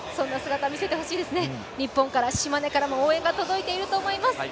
日本から、島根からも応援が届いていると思います。